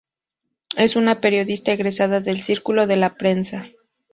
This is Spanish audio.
Es una periodista egresada del Círculo de la Prensa.